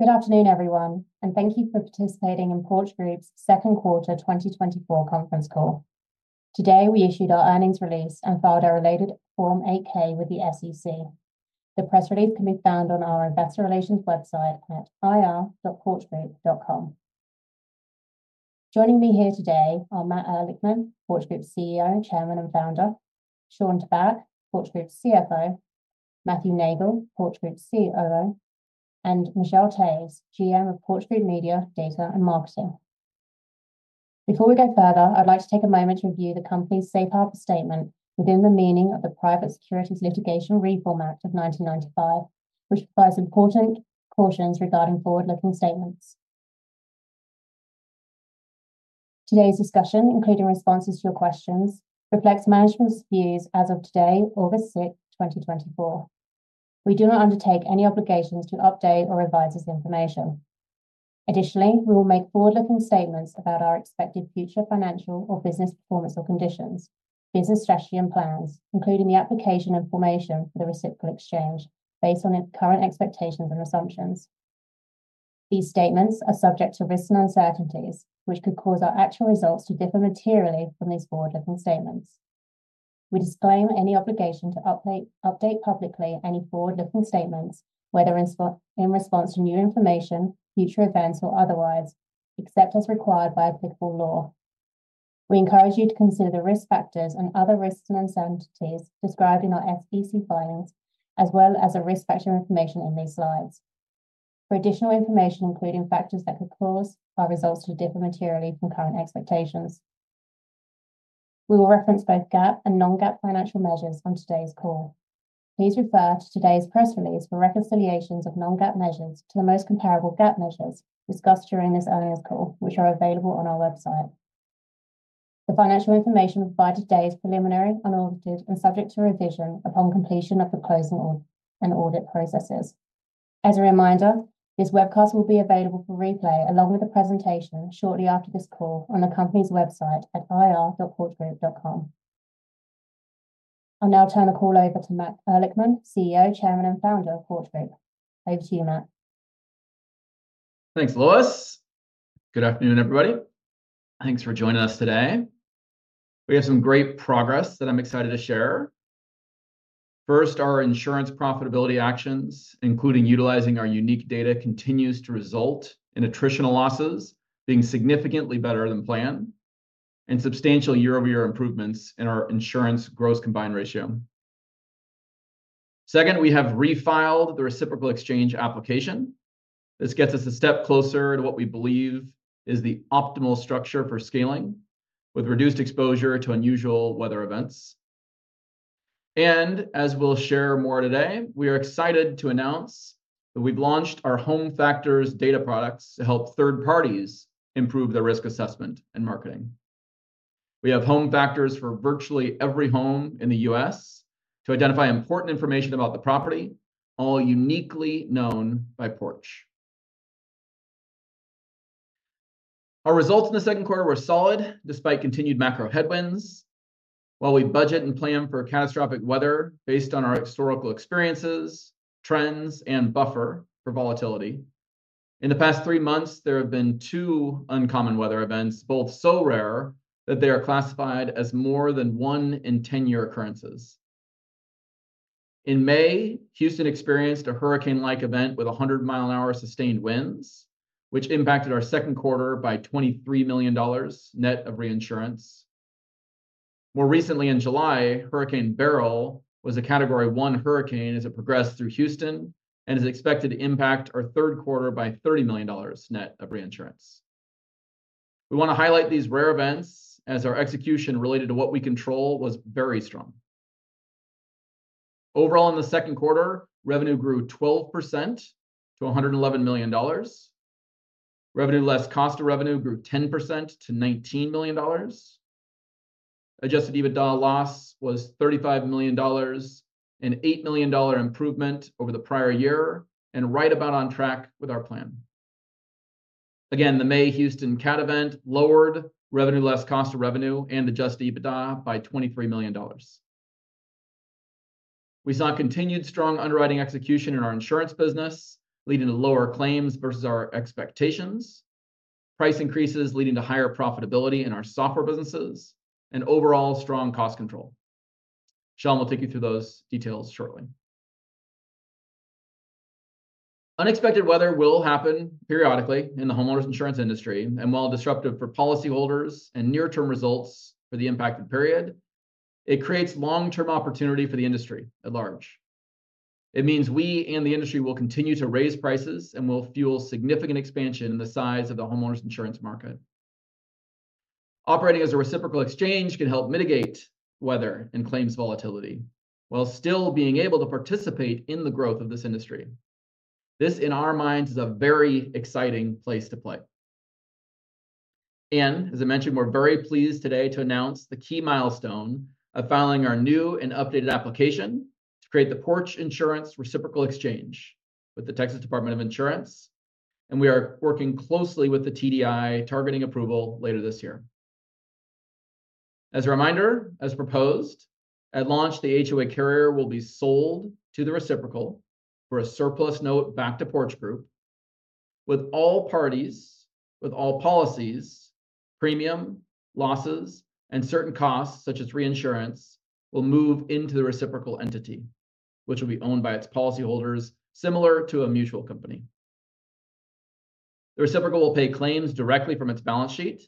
Good afternoon, everyone, and thank you for participating in Porch Group's Second Quarter 2024 Conference Call. Today, we issued our earnings release and filed our related Form 8-K with the SEC. The press release can be found on our investor relations website at ir.porchgroup.com. Joining me here today are Matt Erlichman, Porch Group's CEO, Chairman, and Founder; Shawn Tabak, Porch Group's CFO; Matthew Neagle, Porch Group's COO; and Michelle Taves, GM of Porch Group Media, Data, and Marketing. Before we go further, I'd like to take a moment to review the company's safe harbor statement within the meaning of the Private Securities Litigation Reform Act of 1995, which provides important cautions regarding forward-looking statements. Today's discussion, including responses to your questions, reflects management's views as of today, August 6, 2024. We do not undertake any obligations to update or revise this information. Additionally, we will make forward-looking statements about our expected future financial or business performance or conditions, business strategy and plans, including the application information for the reciprocal exchange, based on its current expectations and assumptions. These statements are subject to risks and uncertainties, which could cause our actual results to differ materially from these forward-looking statements. We disclaim any obligation to update publicly any forward-looking statements, whether in response to new information, future events, or otherwise, except as required by applicable law. We encourage you to consider the risk factors and other risks and uncertainties described in our SEC filings, as well as the risk factor information in these slides. For additional information, including factors that could cause our results to differ materially from current expectations. We will reference both GAAP and non-GAAP financial measures on today's call. Please refer to today's press release for reconciliations of non-GAAP measures to the most comparable GAAP measures discussed during this earnings call, which are available on our website. The financial information provided today is preliminary, unaudited, and subject to revision upon completion of the closing and audit processes. As a reminder, this webcast will be available for replay, along with the presentation, shortly after this call on the company's website at ir.porchgroup.com. I'll now turn the call over to Matt Ehrlichman, CEO, Chairman, and Founder of Porch Group. Over to you, Matt. Thanks, Lois. Good afternoon, everybody. Thanks for joining us today. We have some great progress that I'm excited to share. First, our insurance profitability actions, including utilizing our unique data, continues to result in attritional losses being significantly better than planned, and substantial year-over-year improvements in our insurance gross combined ratio. Second, we have refiled the reciprocal exchange application. This gets us a step closer to what we believe is the optimal structure for scaling, with reduced exposure to unusual weather events. And as we'll share more today, we are excited to announce that we've launched our Home Factors data products to help third parties improve their risk assessment and marketing. We have Home Factors for virtually every home in the U.S. to identify important information about the property, all uniquely known by Porch. Our results in the second quarter were solid, despite continued macro headwinds. While we budget and plan for catastrophic weather based on our historical experiences, trends, and buffer for volatility, in the past 3 months, there have been 2 uncommon weather events, both so rare that they are classified as more than 1-in-10-year occurrences. In May, Houston experienced a hurricane-like event with 100-mile-an-hour sustained winds, which impacted our second quarter by $23 million, net of reinsurance. More recently, in July, Hurricane Beryl was a Category One hurricane as it progressed through Houston, and is expected to impact our third quarter by $30 million, net of reinsurance. We want to highlight these rare events, as our execution related to what we control was very strong. Overall, in the second quarter, revenue grew 12% to $111 million. Revenue less cost of revenue grew 10% to $19 million. Adjusted EBITDA loss was $35 million, an $8 million improvement over the prior year, and right about on track with our plan. Again, the May Houston cat event lowered revenue less cost of revenue and Adjusted EBITDA by $23 million. We saw continued strong underwriting execution in our insurance business, leading to lower claims versus our expectations, price increases leading to higher profitability in our software businesses, and overall strong cost control. Shawn will take you through those details shortly. Unexpected weather will happen periodically in the homeowners' insurance industry, and while disruptive for policyholders and near-term results for the impacted period, it creates long-term opportunity for the industry at large. It means we and the industry will continue to raise prices and will fuel significant expansion in the size of the homeowners' insurance market. Operating as a reciprocal exchange can help mitigate weather and claims volatility, while still being able to participate in the growth of this industry. This, in our minds, is a very exciting place to play. As I mentioned, we're very pleased today to announce the key milestone of filing our new and updated application to create the Porch Insurance Reciprocal Exchange with the Texas Department of Insurance, and we are working closely with the TDI, targeting approval later this year. As a reminder, as proposed, at launch, the HOA carrier will be sold to the reciprocal for a surplus note back to Porch Group, with all parties, with all policies, premium, losses, and certain costs, such as reinsurance, will move into the reciprocal entity, which will be owned by its policy holders, similar to a mutual company. The reciprocal will pay claims directly from its balance sheet.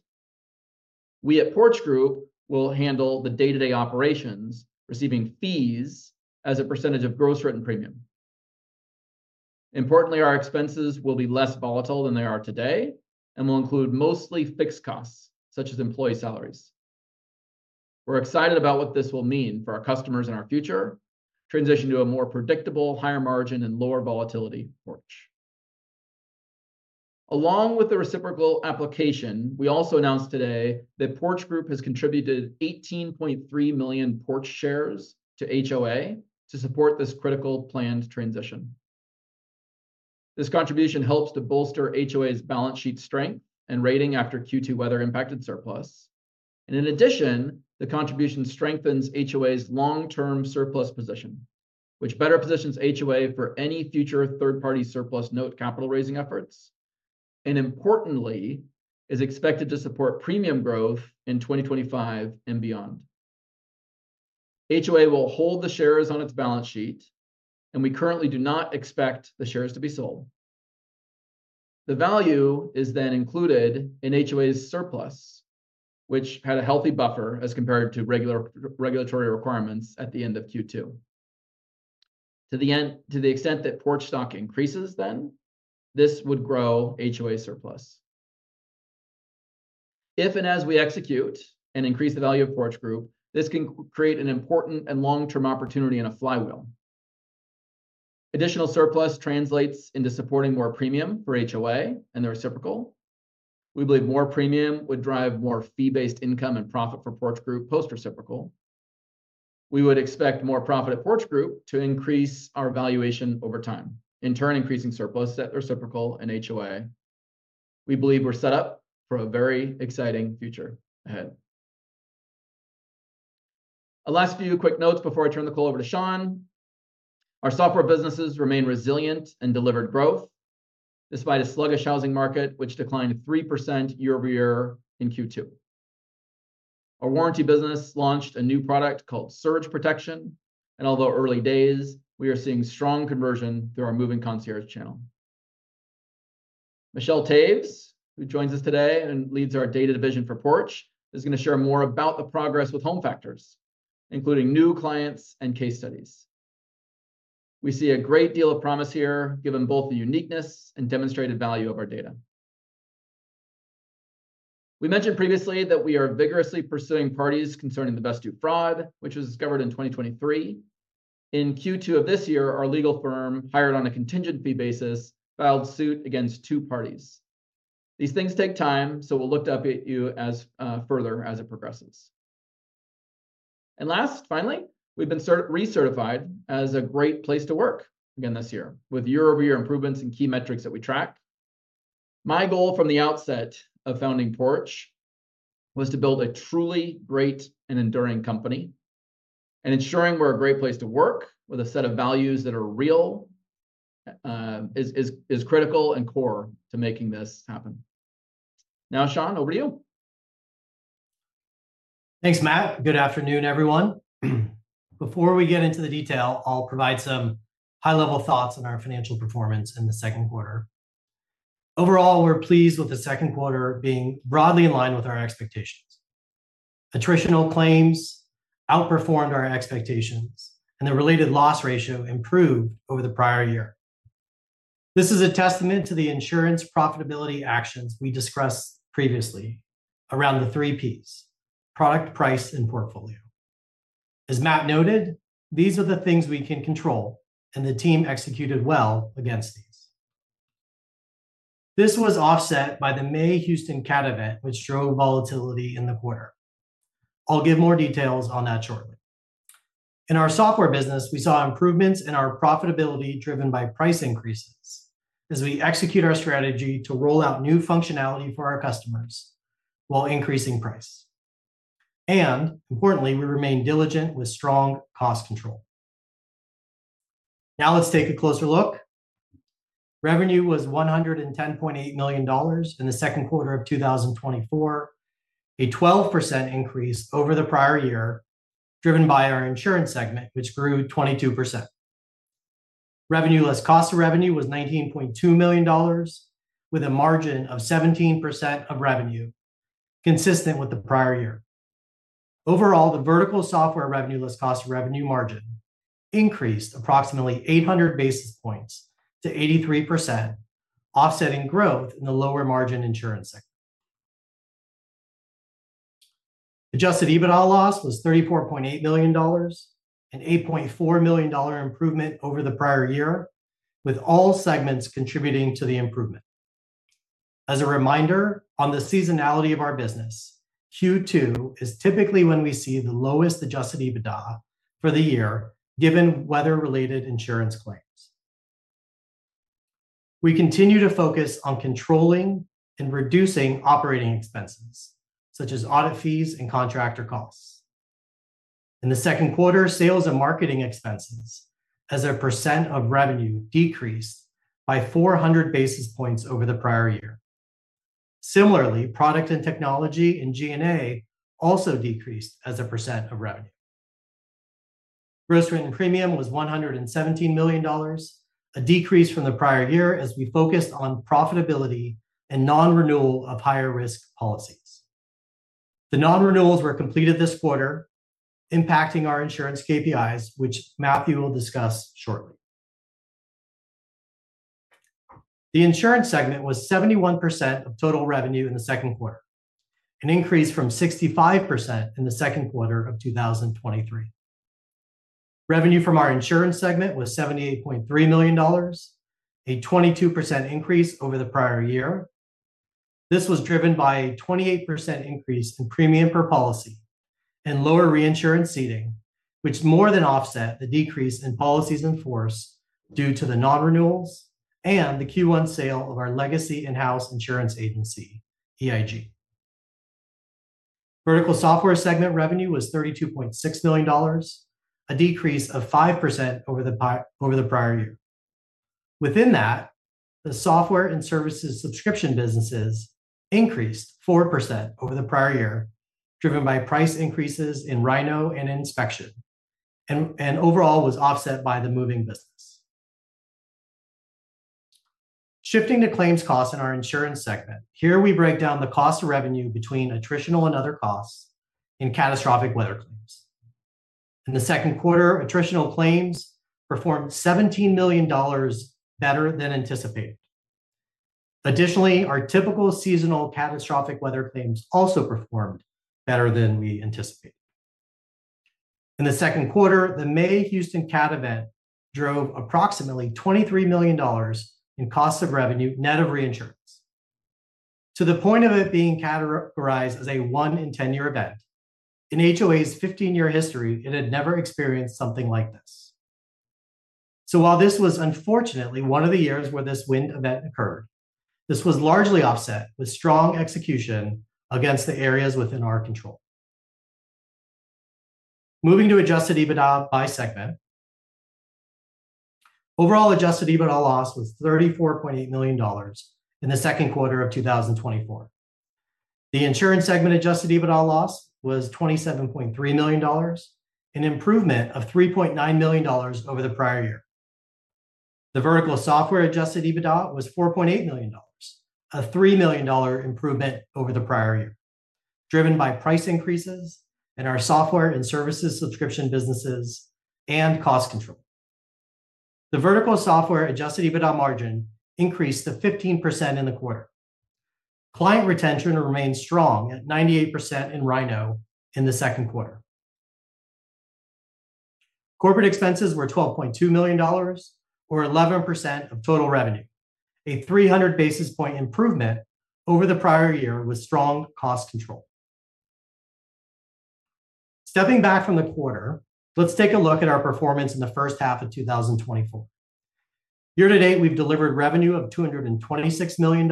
We, at Porch Group, will handle the day-to-day operations, receiving fees as a percentage of gross written premium. Importantly, our expenses will be less volatile than they are today, and will include mostly fixed costs, such as employee salaries. We're excited about what this will mean for our customers and our future, transition to a more predictable, higher margin, and lower volatility Porch. Along with the reciprocal application, we also announced today that Porch Group has contributed 18.3 million Porch shares to HOA to support this critical planned transition. This contribution helps to bolster HOA's balance sheet strength and rating after Q2 weather-impacted surplus. And in addition, the contribution strengthens HOA's long-term surplus position, which better positions HOA for any future third-party surplus note capital raising efforts, and importantly, is expected to support premium growth in 2025 and beyond. HOA will hold the shares on its balance sheet, and we currently do not expect the shares to be sold. The value is then included in HOA's surplus, which had a healthy buffer as compared to regular regulatory requirements at the end of Q2. To the extent that Porch stock increases then, this would grow HOA surplus. If and as we execute and increase the value of Porch Group, this can create an important and long-term opportunity and a flywheel. Additional surplus translates into supporting more premium for HOA and the reciprocal. We believe more premium would drive more fee-based income and profit for Porch Group post-reciprocal. We would expect more profit at Porch Group to increase our valuation over time, in turn, increasing surplus at reciprocal and HOA. We believe we're set up for a very exciting future ahead. A last few quick notes before I turn the call over to Shawn. Our software businesses remain resilient and delivered growth, despite a sluggish housing market, which declined 3% year-over-year in Q2. Our warranty business launched a new product called Surge Protection, and although early days, we are seeing strong conversion through our moving concierge channel. Michelle Taves, who joins us today and leads our data division for Porch, is going to share more about the progress with Home Factors, including new clients and case studies. We see a great deal of promise here, given both the uniqueness and demonstrated value of our data. We mentioned previously that we are vigorously pursuing parties concerning the Vestoo fraud, which was discovered in 2023. In Q2 of this year, our legal firm, hired on a contingent fee basis, filed suit against two parties. These things take time, so we'll look to update you as further as it progresses. Last, finally, we've been recertified as a Great Place to Work again this year, with year-over-year improvements in key metrics that we track. My goal from the outset of founding Porch was to build a truly great and enduring company, and ensuring we're a great place to work with a set of values that are real is critical and core to making this happen. Now, Shawn, over to you. Thanks, Matt. Good afternoon, everyone. Before we get into the detail, I'll provide some high-level thoughts on our financial performance in the second quarter. Overall, we're pleased with the second quarter being broadly in line with our expectations. Attritional claims outperformed our expectations, and the related loss ratio improved over the prior year. This is a testament to the insurance profitability actions we discussed previously around the Three Ps: product, price, and portfolio. As Matt noted, these are the things we can control, and the team executed well against these. This was offset by the May Houston cat event, which drove volatility in the quarter. I'll give more details on that shortly. In our software business, we saw improvements in our profitability, driven by price increases, as we execute our strategy to roll out new functionality for our customers while increasing price. Importantly, we remain diligent with strong cost control. Now let's take a closer look. Revenue was $110.8 million in the second quarter of 2024, a 12% increase over the prior year, driven by our Insurance segment, which grew 22%. Revenue less cost of revenue was $19.2 million, with a margin of 17% of revenue, consistent with the prior year. Overall, the Vertical Software revenue less cost of revenue margin increased approximately 800 basis points to 83%, offsetting growth in the lower margin insurance sector. Adjusted EBITDA loss was $34.8 million, an $8.4 million improvement over the prior year, with all segments contributing to the improvement. As a reminder, on the seasonality of our business, Q2 is typically when we see the lowest Adjusted EBITDA for the year, given weather-related insurance claims. We continue to focus on controlling and reducing operating expenses, such as audit fees and contractor costs. In the second quarter, sales and marketing expenses as a percent of revenue decreased by 400 basis points over the prior year. Similarly, product and technology in G&A also decreased as a percent of revenue. Gross written premium was $117 million, a decrease from the prior year as we focused on profitability and non-renewal of higher-risk policies. The non-renewals were completed this quarter, impacting our insurance KPIs, which Matthew will discuss shortly. The Insurance segment was 71% of total revenue in the second quarter, an increase from 65% in the second quarter of 2023. Revenue from our Insurance segment was $78.3 million, a 22% increase over the prior year. This was driven by a 28% increase in premium per policy and lower reinsurance ceding, which more than offset the decrease in policies in force due to the non-renewals and the Q1 sale of our legacy in-house insurance agency, EIG. Vertical Software segment revenue was $32.6 million, a decrease of 5% over the prior year. Within that, the software and services subscription businesses increased 4% over the prior year, driven by price increases in Rynoh and Inspection, and overall was offset by the moving business. Shifting to claims costs in our Insurance segment, here we break down the cost of revenue between attritional and other costs and catastrophic weather claims. In the second quarter, attritional claims performed $17 million better than anticipated. Additionally, our typical seasonal catastrophic weather claims also performed better than we anticipated. In the second quarter, the May Houston cat event drove approximately $23 million in cost of revenue, net of reinsurance. To the point of it being categorized as a 1-in-10-year event, in HOA's 15-year history, it had never experienced something like this. So while this was unfortunately one of the years where this wind event occurred, this was largely offset with strong execution against the areas within our control. Moving to Adjusted EBITDA by segment, overall Adjusted EBITDA loss was $34.8 million in the second quarter of 2024. The Insurance segment Adjusted EBITDA loss was $27.3 million, an improvement of $3.9 million over the prior year. The Vertical Software Adjusted EBITDA was $4.8 million, a $3 million improvement over the prior year, driven by price increases in our software and services subscription businesses and cost control. The Vertical Software Adjusted EBITDA margin increased to 15% in the quarter. Client retention remains strong at 98% in Rynoh in the second quarter. Corporate expenses were $12.2 million, or 11% of total revenue, a 300 basis point improvement over the prior year with strong cost control. Stepping back from the quarter, let's take a look at our performance in the first half of 2024. Year-to-date, we've delivered revenue of $226 million,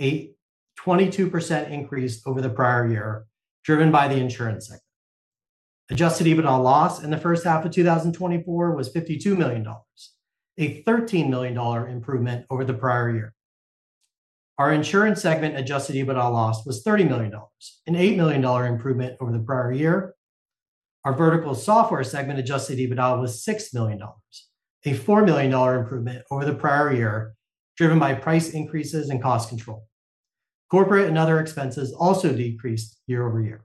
a 22% increase over the prior year, driven by the Insurance segment. Adjusted EBITDA loss in the first half of 2024 was $52 million, a $13 million improvement over the prior year. Our Insurance segment Adjusted EBITDA loss was $30 million, an $8 million improvement over the prior year. Our Vertical Software segment Adjusted EBITDA was $6 million, a $4 million improvement over the prior year, driven by price increases and cost control. Corporate and other expenses also decreased year-over-year.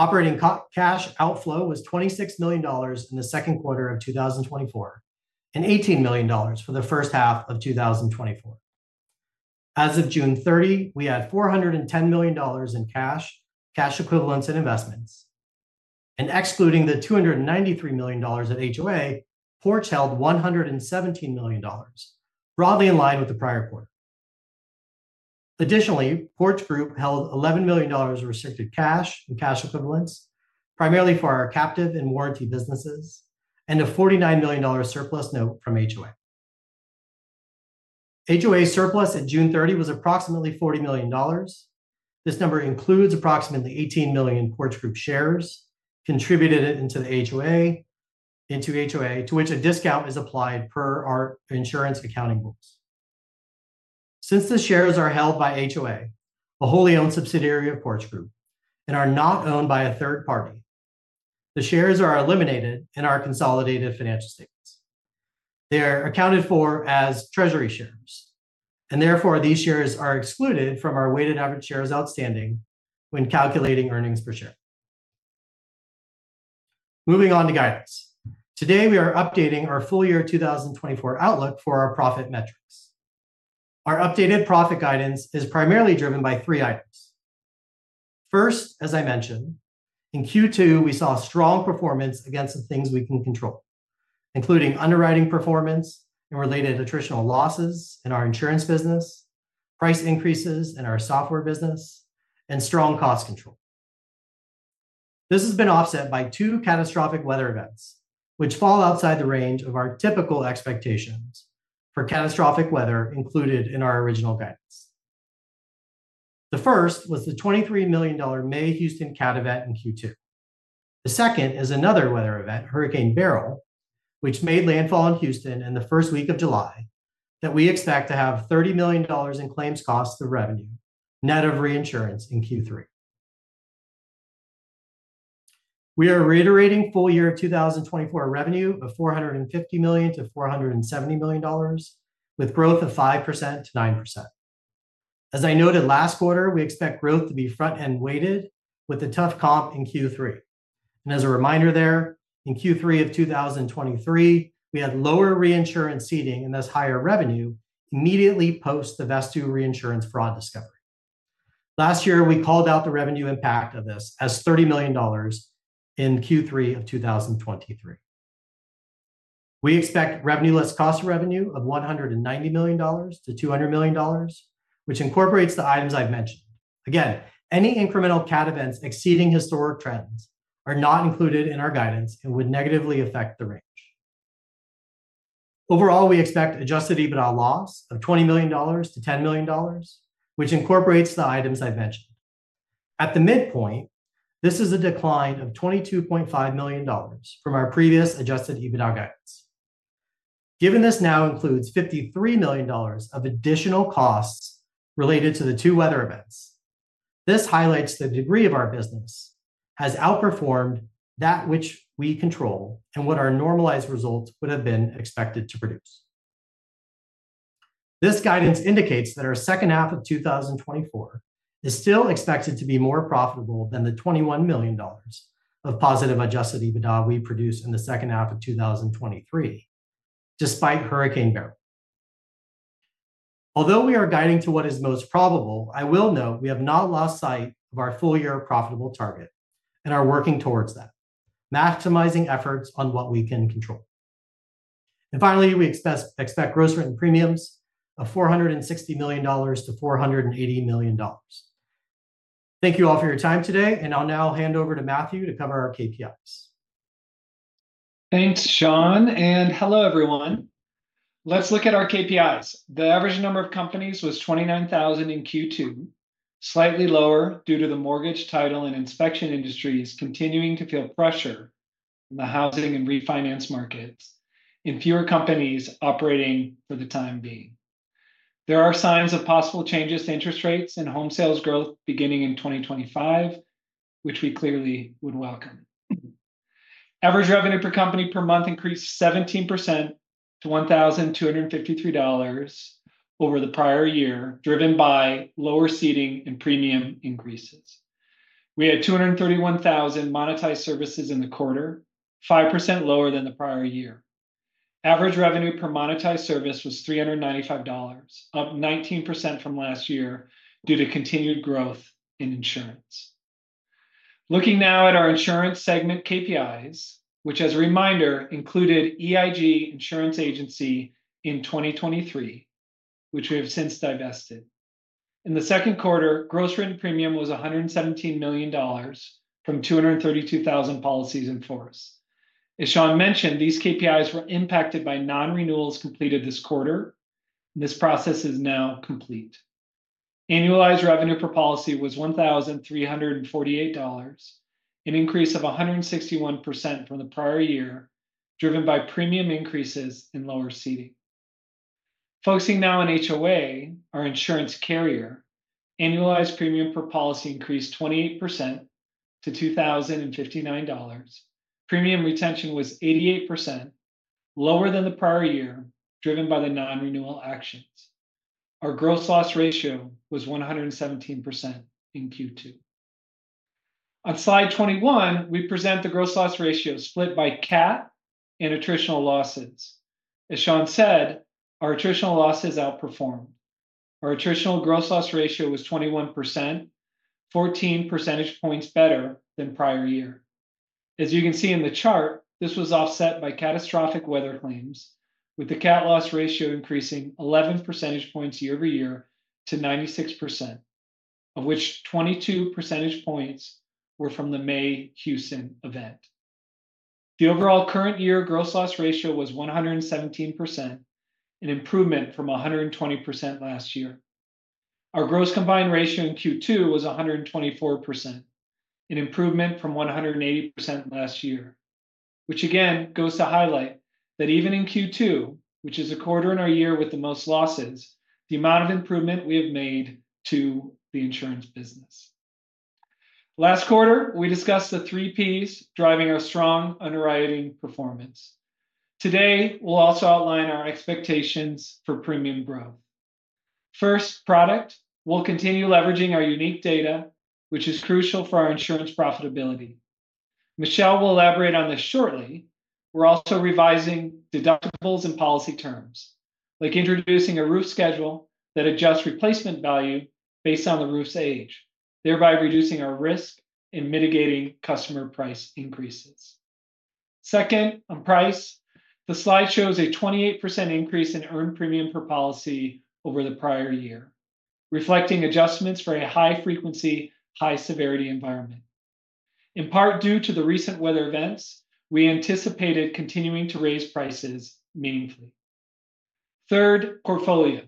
Operating cash outflow was $26 million in the second quarter of 2024, and $18 million for the first half of 2024. As of June 30, we had $410 million in cash, cash equivalents, and investments, and excluding the $293 million at HOA, Porch held $117 million, broadly in line with the prior quarter. Additionally, Porch Group held $11 million of restricted cash and cash equivalents, primarily for our captive and warranty businesses, and a $49 million surplus note from HOA. HOA surplus at June 30 was approximately $40 million. This number includes approximately 18 million Porch Group shares contributed into HOA, to which a discount is applied per our insurance accounting rules. Since the shares are held by HOA, a wholly-owned subsidiary of Porch Group, and are not owned by a third party, the shares are eliminated in our consolidated financial statements. They are accounted for as treasury shares, and therefore, these shares are excluded from our weighted average shares outstanding when calculating earnings per share. Moving on to guidance. Today, we are updating our full year 2024 outlook for our profit metrics. Our updated profit guidance is primarily driven by three items. First, as I mentioned, in Q2, we saw strong performance against the things we can control, including underwriting performance and related attritional losses in our insurance business, price increases in our software business, and strong cost control. This has been offset by two catastrophic weather events, which fall outside the range of our typical expectations for catastrophic weather included in our original guidance. The first was the $23 million May Houston cat event in Q2. The second is another weather event, Hurricane Beryl, which made landfall in Houston in the first week of July, that we expect to have $30 million in claims costs to revenue, net of reinsurance in Q3. We are reiterating full year 2024 revenue of $450 million-$470 million, with growth of 5%-9%. As I noted last quarter, we expect growth to be front-end weighted, with a tough comp in Q3. And as a reminder there, in Q3 of 2023, we had lower reinsurance ceding, and thus higher revenue, immediately post the Vestoo reinsurance fraud discovery. Last year, we called out the revenue impact of this as $30 million in Q3 of 2023. We expect revenue less cost of revenue of $190 million-$200 million, which incorporates the items I've mentioned. Again, any incremental cat events exceeding historic trends are not included in our guidance and would negatively affect the range. Overall, we expect Adjusted EBITDA loss of $20 million-$10 million, which incorporates the items I've mentioned. At the midpoint, this is a decline of $22.5 million from our previous Adjusted EBITDA guidance. Given this now includes $53 million of additional costs related to the two weather events, this highlights the degree of our business has outperformed that which we control and what our normalized results would have been expected to produce. This guidance indicates that our second half of 2024 is still expected to be more profitable than the $21 million of positive Adjusted EBITDA we produced in the second half of 2023, despite Hurricane Beryl. Although we are guiding to what is most probable, I will note we have not lost sight of our full-year profitable target and are working towards that, maximizing efforts on what we can control. And finally, we expect gross written premiums of $460 million-$480 million. Thank you all for your time today, and I'll now hand over to Matthew to cover our KPIs. Thanks, Shawn, and hello, everyone. Let's look at our KPIs. The average number of companies was 29,000 in Q2, slightly lower due to the mortgage title and inspection industries continuing to feel pressure in the housing and refinance markets, and fewer companies operating for the time being. There are signs of possible changes to interest rates and home sales growth beginning in 2025, which we clearly would welcome. Average revenue per company per month increased 17% to $1,253 over the prior year, driven by lower ceding and premium increases. We had 231,000 monetized services in the quarter, 5% lower than the prior year. Average revenue per monetized service was $395, up 19% from last year due to continued growth in insurance. Looking now at our Insurance segment KPIs, which, as a reminder, included EIG Insurance Agency in 2023, which we have since divested. In the second quarter, gross written premium was $117 million from 232,000 policies in force. As Shawn mentioned, these KPIs were impacted by non-renewals completed this quarter, and this process is now complete. Annualized revenue per policy was $1,348, an increase of 161% from the prior year, driven by premium increases and lower ceding. Focusing now on HOA, our insurance carrier, annualized premium per policy increased 28% to $2,059. Premium retention was 88%, lower than the prior year, driven by the non-renewal actions. Our gross loss ratio was 117% in Q2. On Slide 21, we present the gross loss ratio split by cat and attritional losses. As Shawn said, our attritional losses outperformed. Our attritional gross loss ratio was 21%, 14 percentage points better than prior year. As you can see in the chart, this was offset by catastrophic weather claims, with the cat loss ratio increasing 11 percentage points year-over-year to 96%, of which 22 percentage points were from the May Houston event. The overall current year gross loss ratio was 117%, an improvement from 120% last year. Our Gross Combined Ratio in Q2 was 124%, an improvement from 180% last year, which again goes to highlight that even in Q2, which is a quarter in our year with the most losses, the amount of improvement we have made to the insurance business. Last quarter, we discussed the Three Ps driving our strong underwriting performance. Today, we'll also outline our expectations for premium growth. First, Product. We'll continue leveraging our unique data, which is crucial for our insurance profitability. Michelle will elaborate on this shortly. We're also revising deductibles and policy terms, like introducing a roof schedule that adjusts replacement value based on the roof's age, thereby reducing our risk in mitigating customer price increases. Second, on price, the slide shows a 28% increase in earned premium per policy over the prior year, reflecting adjustments for a high-frequency, high-severity environment. In part, due to the recent weather events, we anticipated continuing to raise prices meaningfully. Third, portfolio.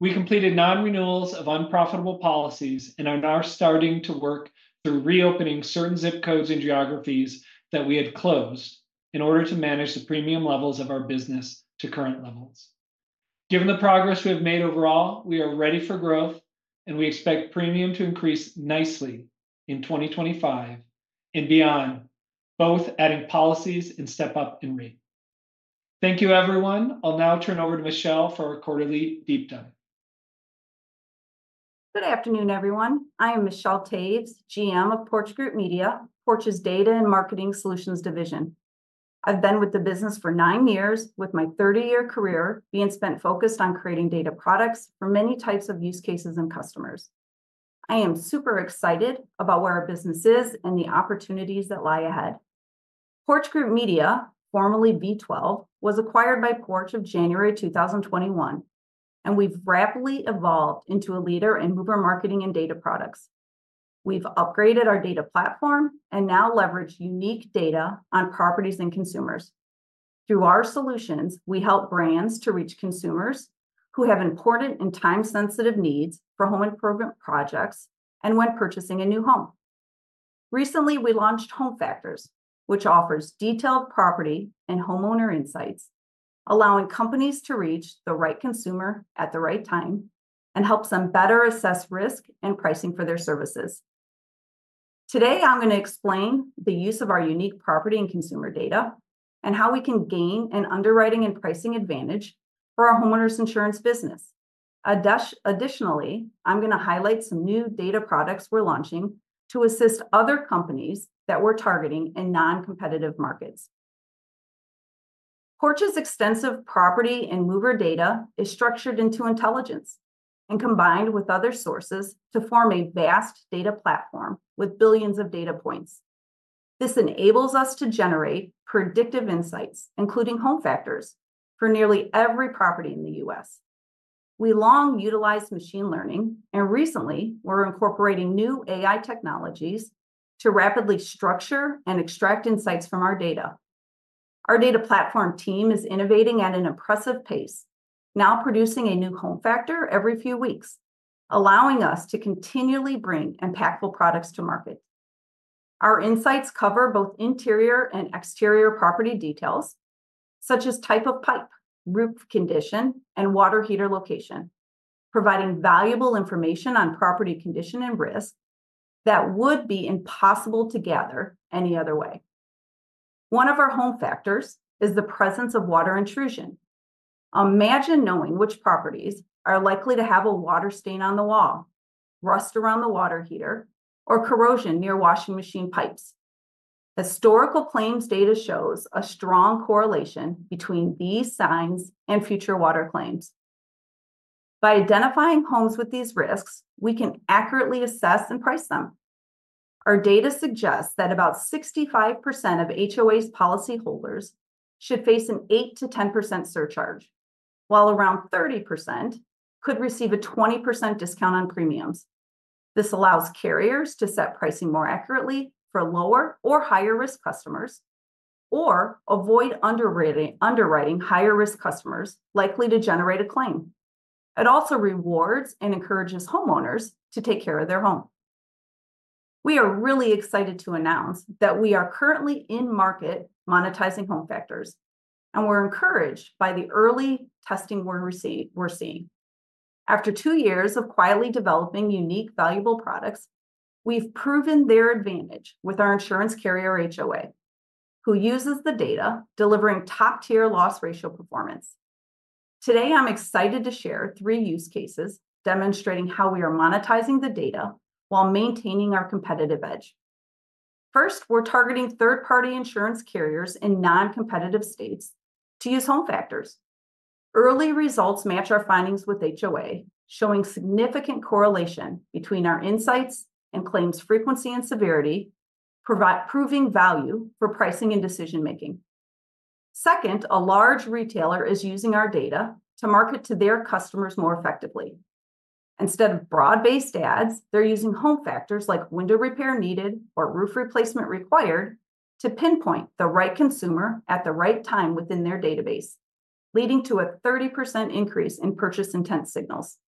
We completed non-renewals of unprofitable policies and are now starting to work through reopening certain zip codes and geographies that we had closed in order to manage the premium levels of our business to current levels. Given the progress we have made overall, we are ready for growth, and we expect premium to increase nicely in 2025 and beyond, both adding policies and step-up in rate. Thank you, everyone. I'll now turn over to Michelle for our quarterly deep dive. Good afternoon, everyone. I am Michelle Taves, GM of Porch Group Media, Porch's Data and Marketing Solutions division. I've been with the business for nine years, with my 30-year career being spent focused on creating data products for many types of use cases and customers. I am super excited about where our business is and the opportunities that lie ahead. Porch Group Media, formerly V12, was acquired by Porch in January 2021, and we've rapidly evolved into a leader in mover marketing and data products. We've upgraded our data platform and now leverage unique data on properties and consumers. Through our solutions, we help brands to reach consumers who have important and time-sensitive needs for home improvement projects and when purchasing a new home. Recently, we launched Home Factors, which offers detailed property and homeowner insights, allowing companies to reach the right consumer at the right time and helps them better assess risk and pricing for their services. Today, I'm going to explain the use of our unique property and consumer data and how we can gain an underwriting and pricing advantage for our homeowners' insurance business. Additionally, I'm going to highlight some new data products we're launching to assist other companies that we're targeting in non-competitive markets. Porch's extensive property and mover data is structured into intelligence and combined with other sources to form a vast data platform with billions of data points. This enables us to generate predictive insights, including Home Factors, for nearly every property in the U.S. We long utilized machine learning, and recently, we're incorporating new AI technologies to rapidly structure and extract insights from our data. Our data platform team is innovating at an impressive pace, now producing a new Home factor every few weeks, allowing us to continually bring impactful products to market. Our insights cover both interior and exterior property details, such as type of pipe, roof condition, and water heater location, providing valuable information on property condition and risk that would be impossible to gather any other way. One of our Home factors is the presence of water intrusion. Imagine knowing which properties are likely to have a water stain on the wall, rust around the water heater, or corrosion near washing machine pipes. Historical claims data shows a strong correlation between these signs and future water claims. By identifying homes with these risks, we can accurately assess and price them. Our data suggests that about 65% of HOA's policyholders should face an 8%-10% surcharge, while around 30% could receive a 20% discount on premiums. This allows carriers to set pricing more accurately for lower or higher-risk customers or avoid underwriting, underwriting higher-risk customers likely to generate a claim. It also rewards and encourages homeowners to take care of their home. We are really excited to announce that we are currently in-market monetizing Home Factors, and we're encouraged by the early testing we're seeing. After two years of quietly developing unique, valuable products, we've proven their advantage with our insurance carrier, HOA, who uses the data, delivering top-tier loss ratio performance. Today, I'm excited to share three use cases demonstrating how we are monetizing the data while maintaining our competitive edge. First, we're targeting third-party insurance carriers in non-competitive states to use Home Factors. Early results match our findings with HOA, showing significant correlation between our insights and claims frequency and severity, proving value for pricing and decision-making. Second, a large retailer is using our data to market to their customers more effectively. Instead of broad-based ads, they're using Home Factors like window repair needed or roof replacement required to pinpoint the right consumer at the right time within their database, leading to a 30% increase in purchase intent signals.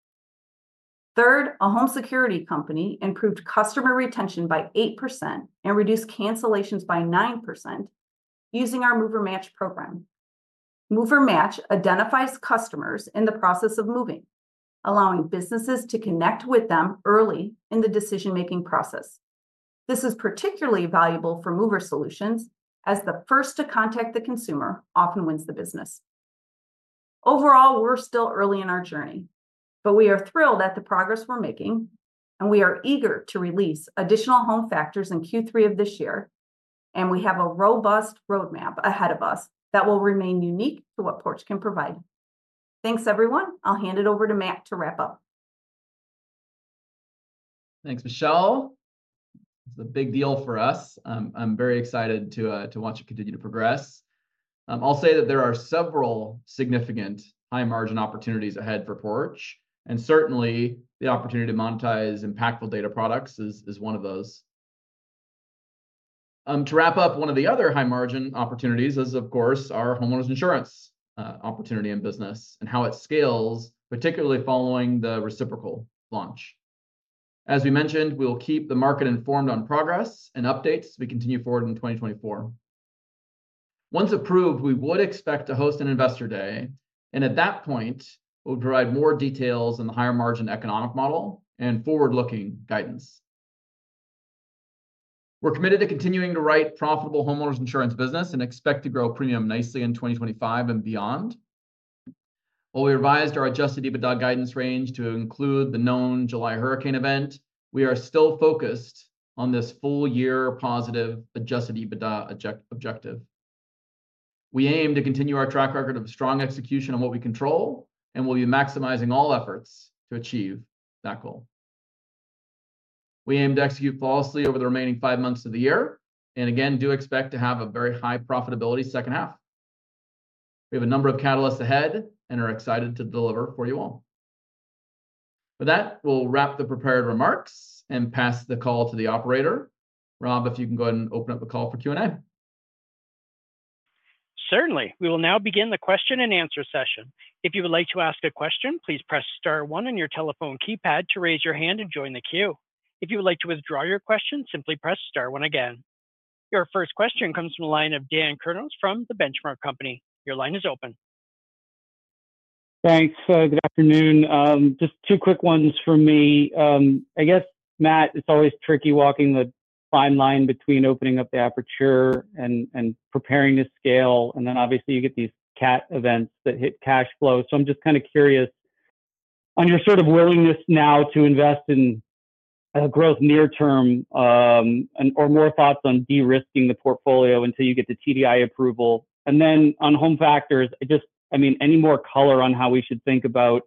Third, a home security company improved customer retention by 8% and reduced cancellations by 9% using our MoverMatch program. MoverMatch identifies customers in the process of moving, allowing businesses to connect with them early in the decision-making process. This is particularly valuable for mover solutions, as the first to contact the consumer often wins the business. Overall, we're still early in our journey, but we are thrilled at the progress we're making, and we are eager to release additional Home Factors in Q3 of this year, and we have a robust roadmap ahead of us that will remain unique to what Porch can provide. Thanks, everyone. I'll hand it over to Matt to wrap up. Thanks, Michelle. It's a big deal for us. I'm very excited to to watch it continue to progress. I'll say that there are several significant high-margin opportunities ahead for Porch, and certainly, the opportunity to monetize impactful data products is, is one of those. To wrap up, one of the other high-margin opportunities is, of course, our homeowners' insurance, opportunity and business, and how it scales, particularly following the reciprocal launch. As we mentioned, we'll keep the market informed on progress and updates as we continue forward in 2024. Once approved, we would expect to host an investor day, and at that point, we'll provide more details on the higher-margin economic model and forward-looking guidance. We're committed to continuing to write profitable homeowners' insurance business and expect to grow premium nicely in 2025 and beyond. While we revised our Adjusted EBITDA guidance range to include the known July hurricane event, we are still focused on this full-year positive Adjusted EBITDA objective. We aim to continue our track record of strong execution on what we control, and we'll be maximizing all efforts to achieve that goal. We aim to execute flawlessly over the remaining five months of the year, and again, do expect to have a very high profitability second half. We have a number of catalysts ahead and are excited to deliver for you all. With that, we'll wrap the prepared remarks and pass the call to the operator. Rob, if you can go ahead and open up the call for Q&A. Certainly. We will now begin the question-and-answer session. If you would like to ask a question, please press star one on your telephone keypad to raise your hand and join the queue. If you would like to withdraw your question, simply press star one again. Your first question comes from the line of Dan Kurnos from The Benchmark Company. Your line is open. Thanks. Good afternoon. Just two quick ones from me. I guess, Matt, it's always tricky walking the fine line between opening up the aperture and preparing to scale, and then obviously you get these cat events that hit cash flow. So I'm just kind of curious on your sort of willingness now to invest in growth near term, and or more thoughts on de-risking the portfolio until you get the TDI approval. And then on HomeFactors, just, I mean, any more color on how we should think about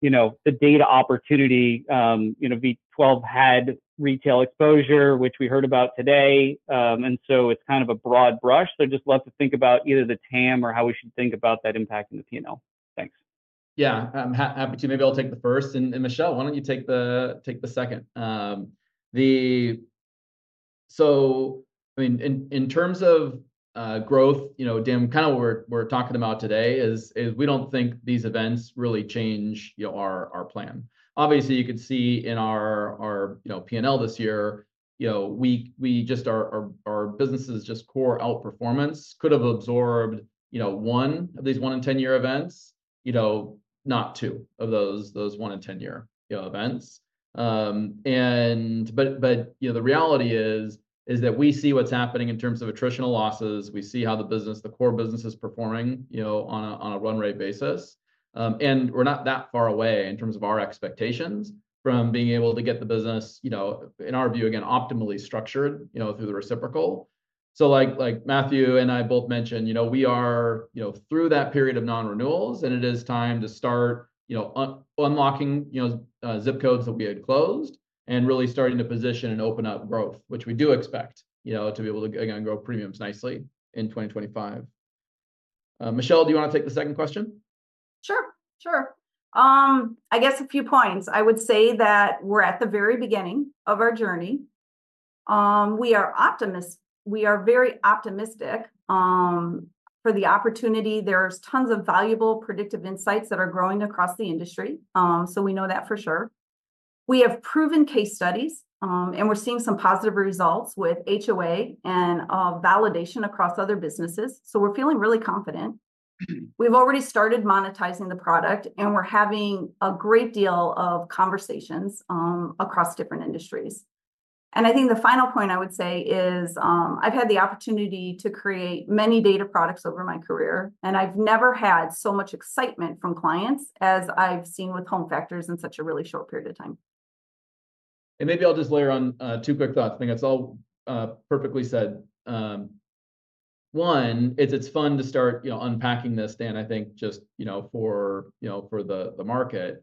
the data opportunity? You know, V12 had retail exposure, which we heard about today. And so it's kind of a broad brush. So just love to think about either the TAM or how we should think about that impact in the P&L. Thanks. Yeah. I'm happy to. Maybe I'll take the first, and Michelle, why don't you take the second? So, I mean, in terms of growth, you know, Dan, kind of what we're talking about today is we don't think these events really change, you know, our plan. Obviously, you could see in our P&L this year, you know, we just, our business's just core outperformance could have absorbed, you know, one of these 1-in-10-year events, you know, not two of those 1-in-10-year events. But, you know, the reality is that we see what's happening in terms of attritional losses. We see how the core business is performing, you know, on a run rate basis. And we're not that far away in terms of our expectations from being able to get the business, you know, in our view, again, optimally structured, you know, through the reciprocal. So like, like Matthew and I both mentioned, you know, we are, you know, through that period of non-renewals, and it is time to start, you know, unlocking, you know, zip codes that we had closed and really starting to position and open up growth, which we do expect, you know, to be able to, again, grow premiums nicely in 2025. Michelle, do you want to take the second question? Sure, sure. I guess a few points. I would say that we're at the very beginning of our journey. We are optimists. We are very optimistic for the opportunity. There's tons of valuable predictive insights that are growing across the industry. So we know that for sure. We have proven case studies, and we're seeing some positive results with HOA and validation across other businesses, so we're feeling really confident. We've already started monetizing the product, and we're having a great deal of conversations across different industries. I think the final point I would say is, I've had the opportunity to create many data products over my career, and I've never had so much excitement from clients as I've seen with HomeFactors in such a really short period of time. And maybe I'll just layer on two quick thoughts. I think that's all perfectly said. One, it's fun to start, you know, unpacking this, Dan. I think just, you know, for the market,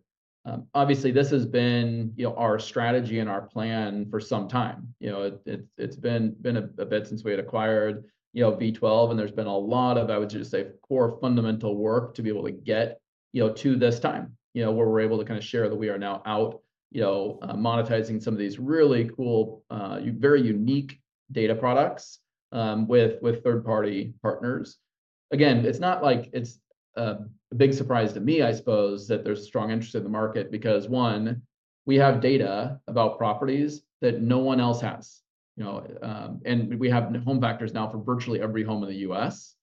obviously, this has been, you know, our strategy and our plan for some time. You know, it's been a bit since we had acquired, you know, V12, and there's been a lot of, I would just say, core fundamental work to be able to get, you know, to this time, you know, where we're able to kind of share that we are now out, you know, monetizing some of these really cool, very unique data products with third-party partners. Again, it's not like it's a big surprise to me, I suppose, that there's strong interest in the market, because, one, we have data about properties that no one else has, you know, and we have HomeFactors now for virtually every home in the U.S.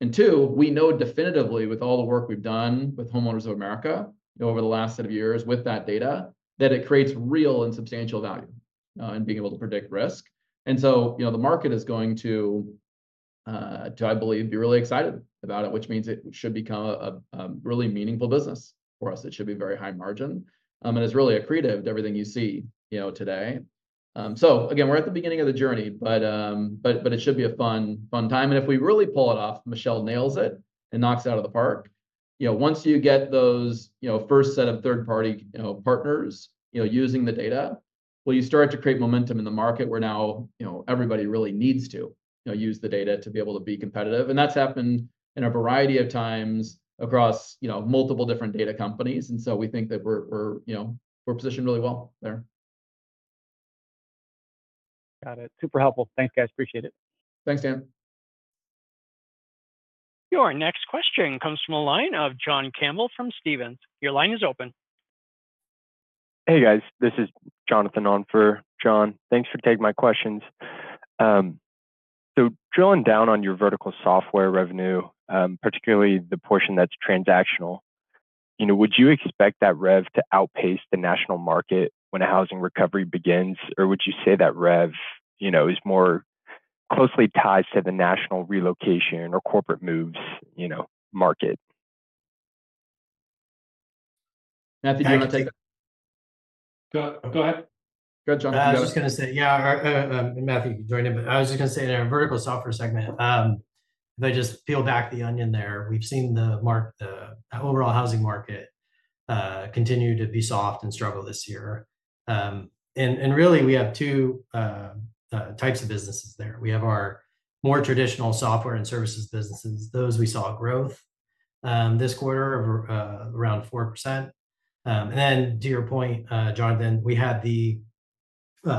And two, we know definitively, with all the work we've done with Homeowners of America over the last set of years with that data, that it creates real and substantial value in being able to predict risk. And so, you know, the market is going to, I believe, be really excited about it, which means it should become a really meaningful business for us. It should be very high margin, and it's really accretive to everything you see, you know, today. So again, we're at the beginning of the journey, but it should be a fun, fun time. And if we really pull it off, Michelle nails it and knocks it out of the park—you know, once you get those, you know, first set of third-party, you know, partners, you know, using the data, well, you start to create momentum in the market where now, you know, everybody really needs to, you know, use the data to be able to be competitive. And that's happened in a variety of times across, you know, multiple different data companies, and so we think that we're positioned really well there. Got it. Super helpful. Thanks, guys, appreciate it. Thanks, Dan. Your next question comes from the line of John Campbell from Stephens. Your line is open. Hey, guys, this is Jonathan on for John. Thanks for taking my questions. Drilling down on your Vertical Software revenue, particularly the portion that's transactional, you know, would you expect that rev to outpace the national market when a housing recovery begins? Or would you say that rev, you know, is more closely tied to the national relocation or corporate moves, you know, market? Matthew, do you wanna take. Go, go ahead. I was just gonna say, yeah, Matthew, you can join in, but I was just gonna say that our Vertical Software segment, if I just peel back the onion there, we've seen the overall housing market continue to be soft and struggle this year. And really, we have two types of businesses there. We have our more traditional software and services businesses. Those we saw growth this quarter of around 4%. And then to your point, Jonathan, we had the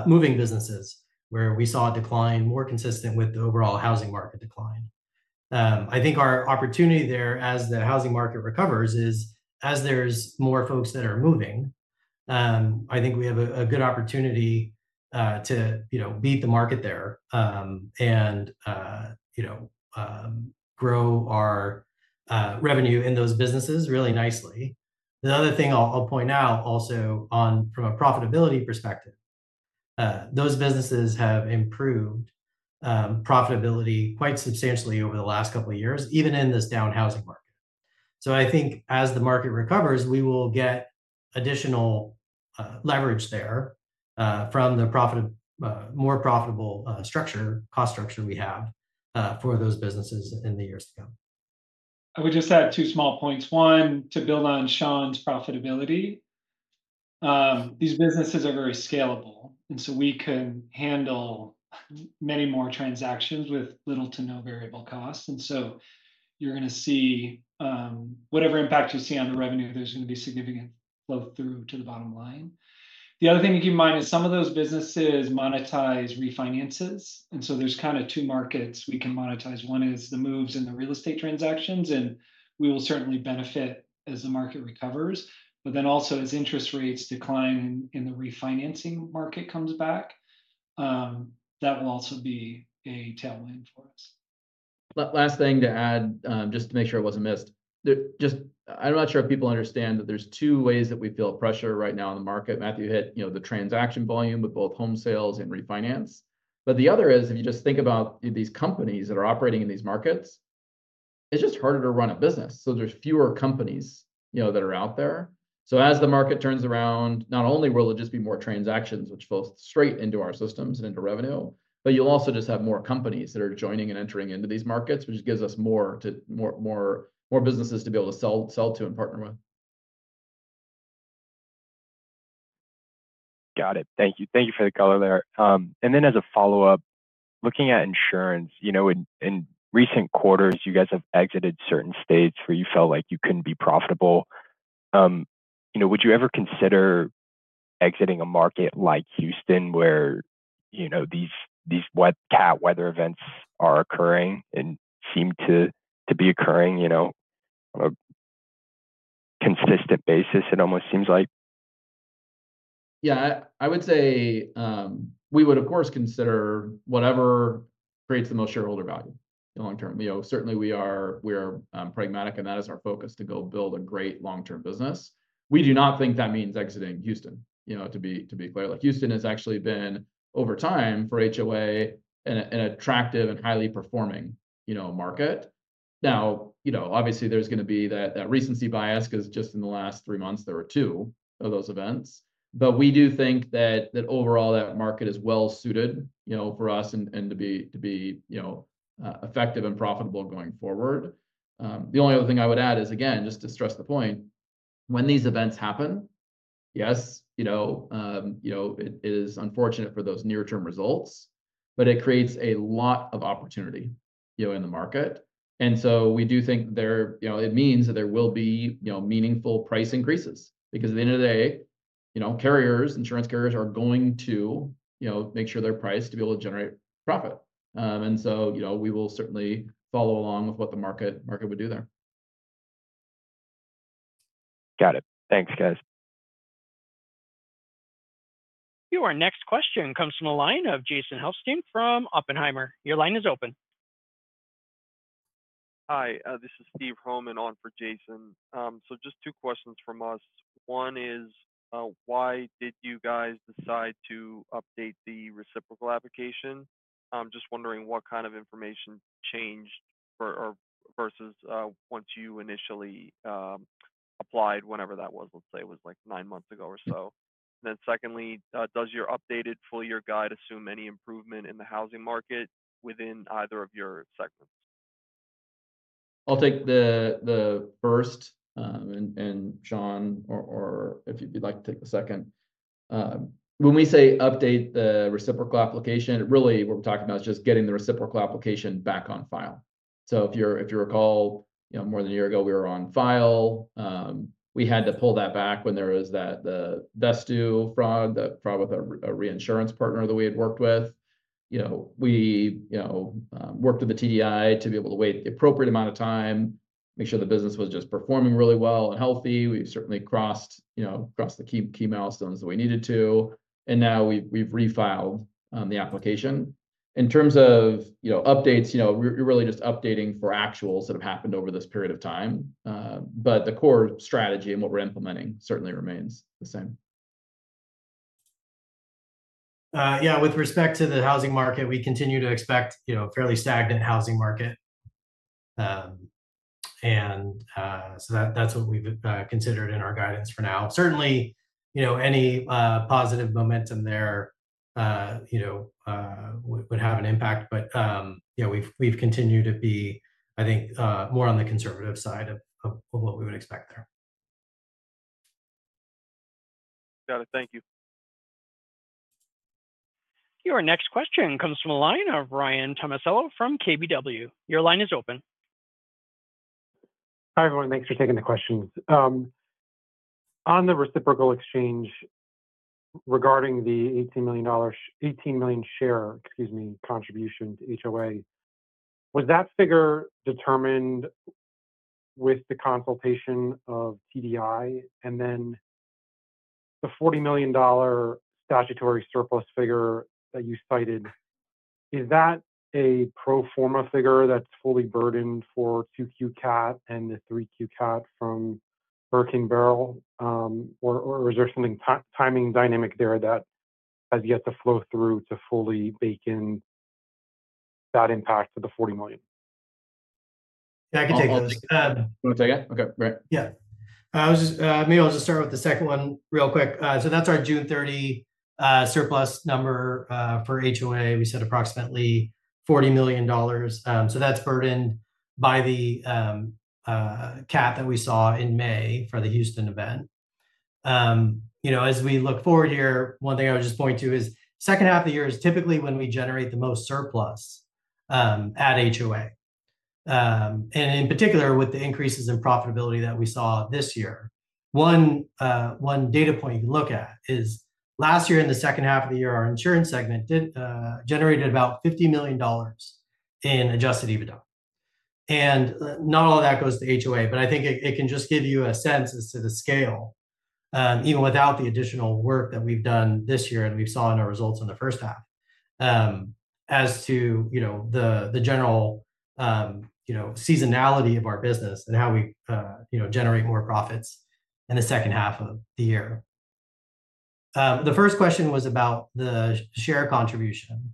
moving businesses, where we saw a decline more consistent with the overall housing market decline. I think our opportunity there as the housing market recovers is, as there's more folks that are moving, I think we have a good opportunity to, you know, beat the market there, and, you know, grow our revenue in those businesses really nicely. The other thing I'll point out also, from a profitability perspective, those businesses have improved profitability quite substantially over the last couple of years, even in this down housing market. So I think as the market recovers, we will get additional leverage there from the more profitable cost structure we have for those businesses in the years to come. I would just add two small points. One, to build on Shawn's profitability. These businesses are very scalable, and so we can handle many more transactions with little to no variable costs. And so you're gonna see, whatever impact you see on the revenue, there's gonna be significant flow through to the bottom line. The other thing to keep in mind is some of those businesses monetize refinances, and so there's kind of two markets we can monetize. One is the moves and the real estate transactions, and we will certainly benefit as the market recovers. But then also, as interest rates decline and the refinancing market comes back, that will also be a tailwind for us. Last thing to add, just to make sure it wasn't missed. Just, I'm not sure if people understand that there's two ways that we feel pressure right now in the market. Matthew hit, you know, the transaction volume with both home sales and refinance. But the other is, if you just think about these companies that are operating in these markets, it's just harder to run a business, so there's fewer companies, you know, that are out there. So as the market turns around, not only will it just be more transactions, which falls straight into our systems and into revenue, but you'll also just have more companies that are joining and entering into these markets, which gives us more to, more, more, more businesses to be able to sell, sell to and partner with. Got it. Thank you. Thank you for the color there. And then as a follow-up, looking at insurance, you know, in recent quarters, you guys have exited certain states where you felt like you couldn't be profitable. You know, would you ever consider exiting a market like Houston, where, you know, these cat weather events are occurring and seem to be occurring, you know, on a consistent basis, it almost seems like? Yeah, I would say, we would, of course, consider whatever creates the most shareholder value in the long term. You know, certainly we are, pragmatic, and that is our focus, to go build a great long-term business. We do not think that means exiting Houston, you know, to be clear. Like, Houston has actually been, over time, for HOA, an attractive and highly performing, you know, market. Now, you know, obviously, there's gonna be that recency bias, 'cause just in the last three months, there were two of those events. But we do think that overall, that market is well-suited, you know, for us and to be effective and profitable going forward. The only other thing I would add is, again, just to stress the point, when these events happen, yes, you know, it is unfortunate for those near-term results, but it creates a lot of opportunity, you know, in the market. And so we do think there. You know, it means that there will be, you know, meaningful price increases. Because at the end of the day, you know, carriers, insurance carriers are going to, you know, make sure they're priced to be able to generate profit. And so, you know, we will certainly follow along with what the market would do there. Got it. Thanks, guys. Your next question comes from the line of Jason Helfstein from Oppenheimer. Your line is open. Hi, this is Steven Hromin on for Jason. So just two questions from us. One is, why did you guys decide to update the reciprocal application? I'm just wondering what kind of information changed or, or versus, what you initially submitted, applied whenever that was, let's say it was like nine months ago or so. Then secondly, does your updated full-year guide assume any improvement in the housing market within either of your segments? I'll take the first, and Shawn, or if you'd like to take the second. When we say update the reciprocal application, really what we're talking about is just getting the reciprocal application back on file. So if you're-- if you recall, you know, more than a year ago, we were on file. We had to pull that back when there was that, the Vestoo fraud, the fraud with a reinsurance partner that we had worked with. You know, we, you know, worked with the TDI to be able to wait the appropriate amount of time, make sure the business was just performing really well and healthy. We've certainly crossed, you know, crossed the key milestones that we needed to, and now we've refiled the application. In terms of, you know, updates, you know, we're, we're really just updating for actuals that have happened over this period of time. But the core strategy and what we're implementing certainly remains the same. Yeah, with respect to the housing market, we continue to expect, you know, fairly stagnant housing market. So that's what we've considered in our guidance for now. Certainly, you know, any positive momentum there, you know, would have an impact. But, you know, we've continued to be, I think, more on the conservative side of what we would expect there. Got it. Thank you. Your next question comes from a line of Ryan Tomasello from KBW. Your line is open. Hi, everyone, thanks for taking the questions. On the reciprocal exchange, regarding the $18 million share, excuse me, contribution to HOA, was that figure determined with the consultation of TDI? And then the $40 million statutory surplus figure that you cited, is that a pro forma figure that's fully burdened for 2Q CAT and the 3Q CAT from Hurricane Beryl, or is there some timing dynamic there that has yet to flow through to fully bake in that impact to the $40 million? Yeah, I can take this. You want to take it? Okay, great. Yeah. I was just, maybe I'll just start with the second one real quick. So that's our June 30 surplus number. For HOA, we said approximately $40 million. So that's burdened by the cap that we saw in May for the Houston event. You know, as we look forward here, one thing I would just point to is, second half of the year is typically when we generate the most surplus at HOA. And in particular, with the increases in profitability that we saw this year. One data point you can look at is, last year in the second half of the year, our Insurance segment did generated about $50 million in Adjusted EBITDA. Not all of that goes to HOA, but I think it can just give you a sense as to the scale, even without the additional work that we've done this year and we saw in our results in the first half. As to, you know, the general, you know, seasonality of our business and how we, you know, generate more profits in the second half of the year. The first question was about the share contribution.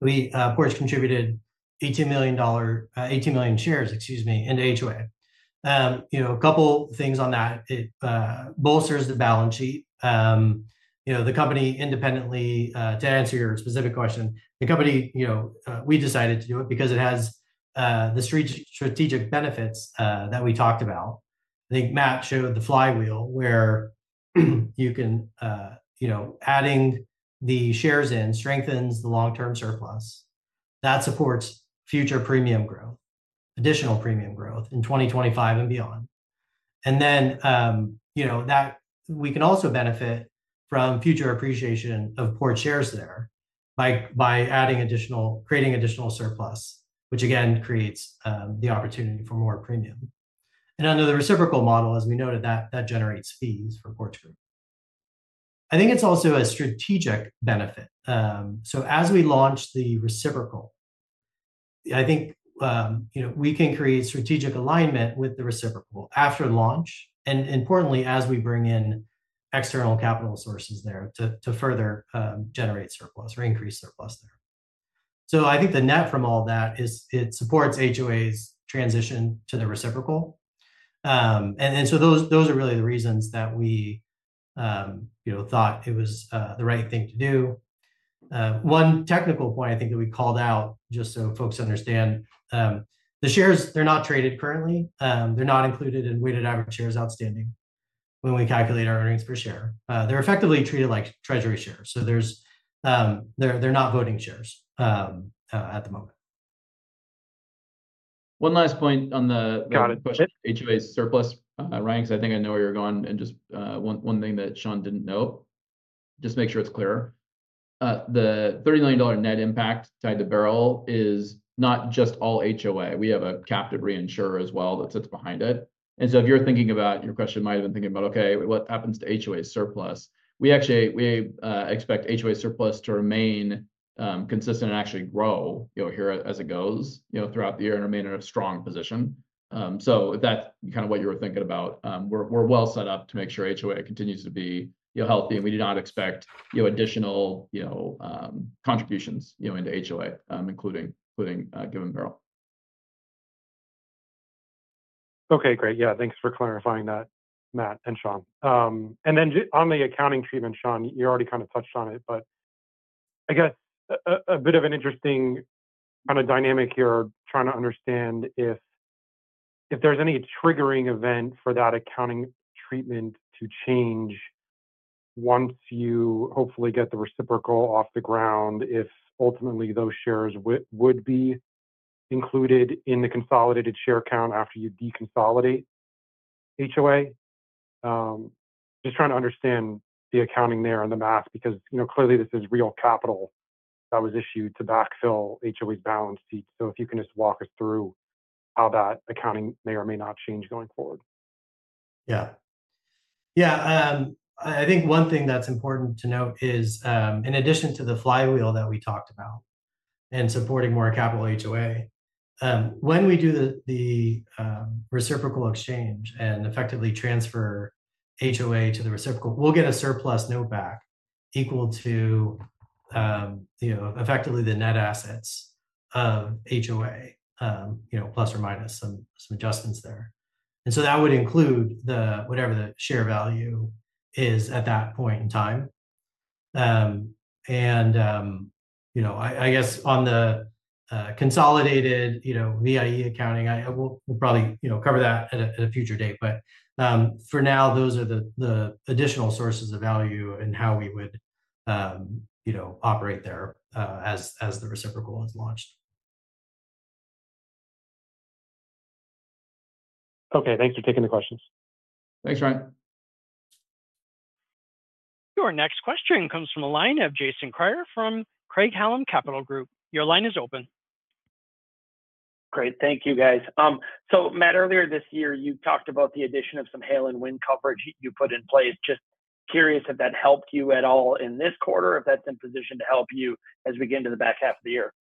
We, of course, contributed $18 million, 18 million shares, excuse me, into HOA. You know, a couple things on that, it bolsters the balance sheet. You know, the company independently, to answer your specific question, the company, you know, we decided to do it because it has the strategic benefits that we talked about. I think Matt showed the flywheel, where you can, you know, adding the shares in strengthens the long-term surplus. That supports future premium growth, additional premium growth in 2025 and beyond. And then, you know, that we can also benefit from future appreciation of Porch shares there by adding additional, creating additional surplus, which again, creates the opportunity for more premium. And under the reciprocal model, as we noted, that generates fees for Porch Group. I think it's also a strategic benefit. So as we launch the reciprocal, I think, you know, we can create strategic alignment with the reciprocal after launch, and importantly, as we bring in external capital sources there to further generate surplus or increase surplus there. So I think the net from all that is it supports HOA's transition to the reciprocal. And so those are really the reasons that we, you know, thought it was the right thing to do. One technical point I think that we called out, just so folks understand, the shares, they're not traded currently. They're not included in weighted average shares outstanding when we calculate our earnings per share. They're effectively treated like treasury shares, so they're not voting shares at the moment. One last point on the. Got it. HOA surplus, rank, because I think I know where you're going, and just, one, one thing that Shawn didn't note, just make sure it's clear. The $30 million net impact tied to Beryl is not just all HOA. We have a captive reinsurer as well that sits behind it. And so if you're thinking about, your question might have been thinking about, okay, what happens to HOA surplus? We actually, we, expect HOA surplus to remain, consistent and actually grow, you know, here as it goes, you know, throughout the year and remain in a strong position. So that's kind of what you were thinking about. We're well set up to make sure HOA continues to be, you know, healthy, and we do not expect, you know, additional, you know, contributions, you know, into HOA, including, given Beryl. Okay, great. Yeah, thanks for clarifying that, Matt and Shawn. And then on the accounting treatment, Shawn, you already kind of touched on it, but I guess a bit of an interesting kind of dynamic here, trying to understand if there's any triggering event for that accounting treatment to change once you hopefully get the reciprocal off the ground, if ultimately those shares would be included in the consolidated share count after you deconsolidate HOA. Just trying to understand the accounting there on the math, because, you know, clearly this is real capital that was issued to backfill HOA's balance sheet. So if you can just walk us through how that accounting may or may not change going forward. Yeah. Yeah, I think one thing that's important to note is, in addition to the flywheel that we talked about in supporting more capital HOA, when we do the reciprocal exchange and effectively transfer HOA to the reciprocal, we'll get a surplus note back equal to, you know, effectively the net assets of HOA, you know, plus or minus some adjustments there. And so that would include the, whatever the share value is at that point in time. And, you know, I guess on the consolidated VIE accounting, we'll probably, you know, cover that at a future date. But, for now, those are the additional sources of value and how we would, you know, operate there, as the reciprocal is launched. Okay, thanks for taking the questions. Thanks, Ryan. Your next question comes from the line of Jason Kreyer from Craig-Hallum Capital Group. Your line is open. Great. Thank you, guys. So Matt, earlier this year, you talked about the addition of some hail and wind coverage you put in place. Just curious if that helped you at all in this quarter, if that's in position to help you as we get into the back half of the year?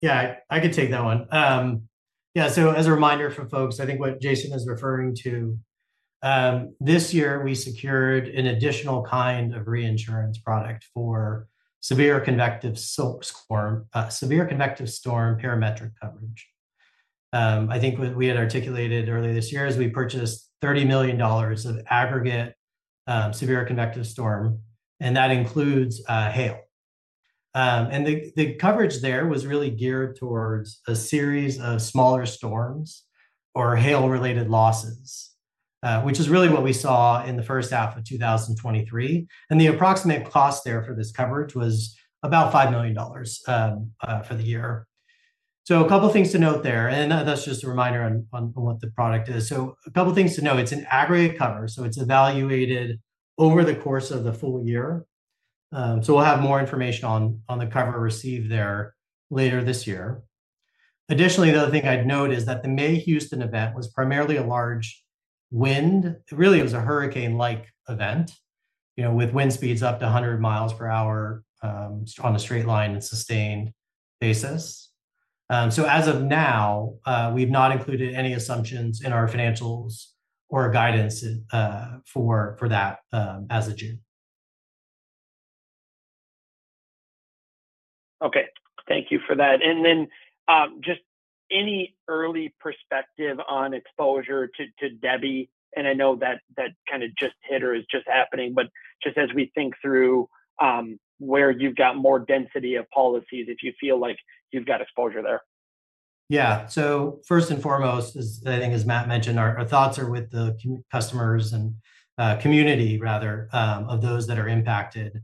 Yeah, I can take that one. Yeah, so as a reminder for folks, I think what Jason is referring to, this year, we secured an additional kind of reinsurance product for severe convective storm parametric coverage. I think what we had articulated earlier this year is we purchased $30 million of aggregate severe convective storm, and that includes hail. And the coverage there was really geared towards a series of smaller storms or hail-related losses, which is really what we saw in the first half of 2023, and the approximate cost there for this coverage was about $5 million for the year. So a couple things to note there, and that's just a reminder on what the product is. So a couple things to know. It's an aggregate cover, so it's evaluated over the course of the full year. So we'll have more information on the cover received there later this year. Additionally, the other thing I'd note is that the May Houston event was primarily a large wind. It really was a hurricane-like event, you know, with wind speeds up to 100 miles per hour on a straight-line and sustained basis. So as of now, we've not included any assumptions in our financials or guidance for that as of yet. Okay, thank you for that. And then, just any early perspective on exposure to, to Debby, and I know that that kind of just hit or is just happening, but just as we think through, where you've got more density of policies, if you feel like you've got exposure there. Yeah. So first and foremost, as I think as Matt mentioned, our thoughts are with the customers and community of those that are impacted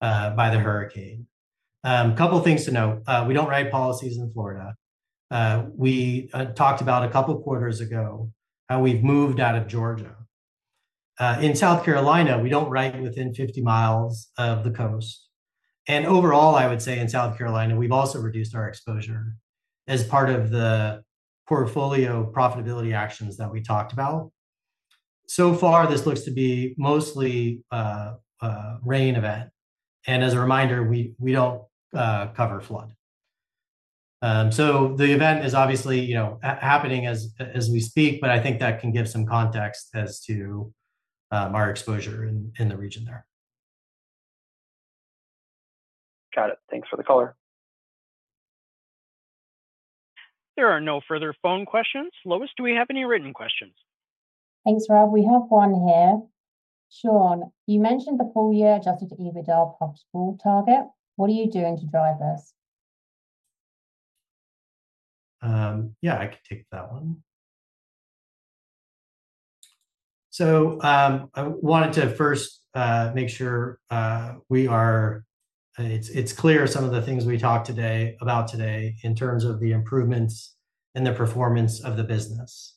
by the hurricane. Couple things to note. We don't write policies in Florida. We talked about a couple quarters ago, how we've moved out of Georgia. In South Carolina, we don't write within 50 miles of the coast. And overall, I would say in South Carolina, we've also reduced our exposure as part of the portfolio profitability actions that we talked about. So far, this looks to be mostly a rain event, and as a reminder, we don't cover flood. So the event is obviously, you know, happening as we speak, but I think that can give some context as to our exposure in the region there. Got it. Thanks for the color. There are no further phone questions. Lois, do we have any written questions? Thanks, Rob. We have one here. Shawn, you mentioned the full-year Adjusted EBITDA profitable target. What are you doing to drive this? Yeah, I can take that one. So, I wanted to first make sure we are, it's, it's clear some of the things we talked today, about today in terms of the improvements and the performance of the business.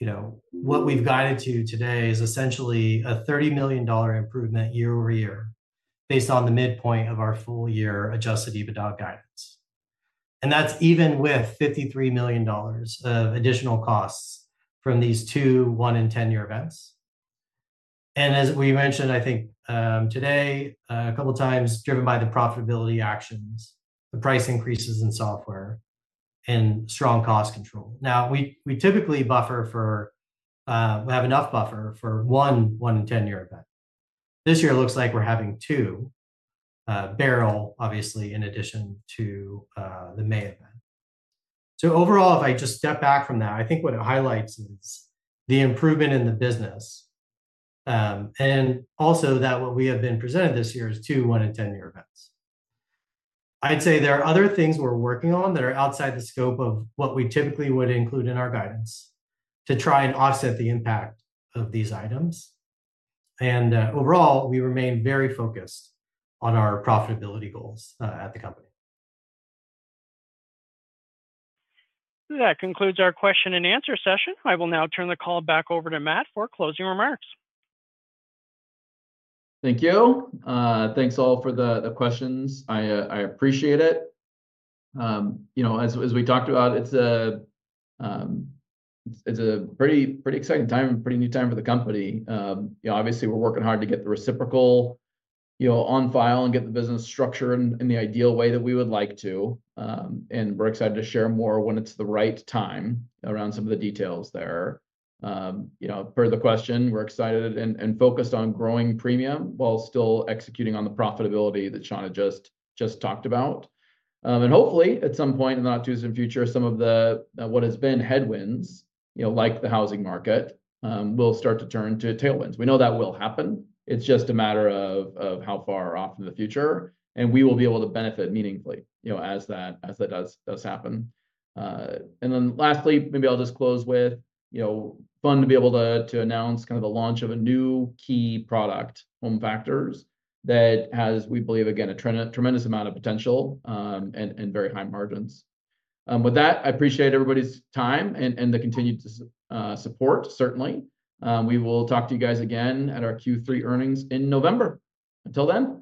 You know, what we've guided to today is essentially a $30 million improvement year-over-year, based on the midpoint of our full year Adjusted EBITDA guidance. And that's even with $53 million of additional costs from these two 1-in-10-year events. And as we mentioned, I think, today, a couple of times, driven by the profitability actions, the price increases in software and strong cost control. Now, we, we typically buffer for, we have enough buffer for one 1-in-10-year event. This year, it looks like we're having two, Beryl, obviously, in addition to, the May event. So overall, if I just step back from that, I think what it highlights is the improvement in the business, and also that what we have been presented this year is two 1-in-10-year events. I'd say there are other things we're working on that are outside the scope of what we typically would include in our guidance to try and offset the impact of these items. And, overall, we remain very focused on our profitability goals, at the company. That concludes our question and answer session. I will now turn the call back over to Matt for closing remarks. Thank you. Thanks, all, for the questions. I appreciate it. You know, as we talked about, it's a pretty exciting time and pretty new time for the company. You know, obviously, we're working hard to get the reciprocal, you know, on file and get the business structure in the ideal way that we would like to. And we're excited to share more when it's the right time around some of the details there. You know, per the question, we're excited and focused on growing premium while still executing on the profitability that Shawn had just talked about. And hopefully, at some point in the not-too-distant future, some of the what has been headwinds, you know, like the housing market, will start to turn to tailwinds. We know that will happen. It's just a matter of how far off in the future, and we will be able to benefit meaningfully, you know, as that does happen. And then lastly, maybe I'll just close with, you know, fun to be able to announce kind of the launch of a new key product, Home Factors, that has, we believe, again, a tremendous amount of potential, and very high margins. With that, I appreciate everybody's time and the continued support, certainly. We will talk to you guys again at our Q3 earnings in November. Until then-